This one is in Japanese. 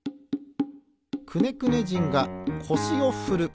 くねくね人がこしをふる。